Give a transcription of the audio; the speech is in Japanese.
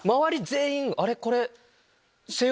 全員「あれ？これ」。